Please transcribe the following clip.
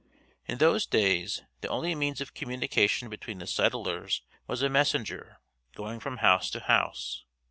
In those days the only means of communication between the settlers was a messenger, going from house to house.